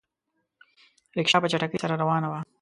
رکشه په چټکۍ سره روانه وه.